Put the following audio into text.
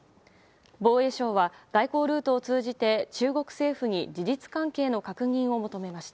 防衛省は外交ルートを通じて中国政府に事実関係の確認を求めました。